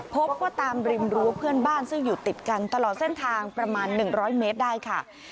พบว่าตามริมรั้วเพื่อนบ้านซึ่งอยู่ติดกันตลอดเส้นทางประมาณ๑๐๐เมตรได้ค่ะ